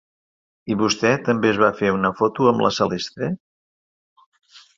I vostè també es va fer una foto amb la Celeste?